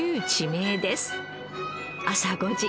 朝５時。